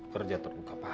kerja terluka parah